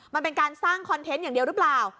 มันเป็นการสร้างคอนเทนต์อย่างเดียวหรือเปล่า